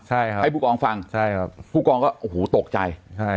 ให้ผู้กองฟังผู้กองก็โอ้โหตกใจ